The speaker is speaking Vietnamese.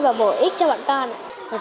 và bổ ích cho bọn con